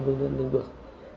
với những người